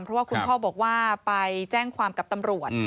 เพราะว่าคุณพ่อบอกว่าไปแจ้งความกับตำรวจ